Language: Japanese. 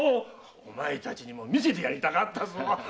お前たちにも見せたかったぞ。